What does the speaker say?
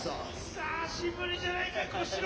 久しぶりじゃないか小四郎！